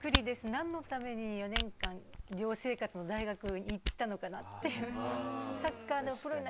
なんのために４年間寮生活の大学に行ったのかなっていう。